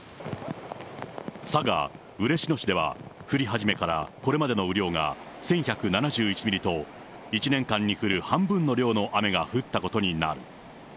佐賀・嬉野市では、降り始めからこれまでの雨量が１１７１ミリと、１年間に降る半分の量の雨が降ったことになる。